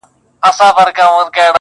مُلا وویل نیم عمر دي تباه سو؛